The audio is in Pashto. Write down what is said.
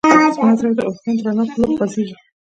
زما زړه د عرفان د رڼا په لور خوځېږي.